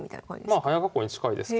まあ早囲いに近いですけど。